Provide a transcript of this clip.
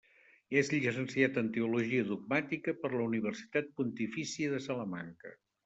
És llicenciat en Teologia Dogmàtica per la Universitat Pontifícia de Salamanca.